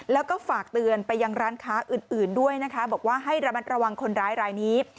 แล้วก็ฝากเตือนไปยังร้านค้าอื่นด้วยนะคะบอกว่าให้ระมัดระวังคนร้ายรายนี้